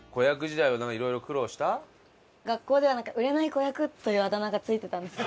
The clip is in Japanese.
学校では「売れない子役」というあだ名がついてたんですよ。